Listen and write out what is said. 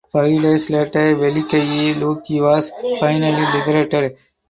Five days later Velikiye Luki was finally liberated.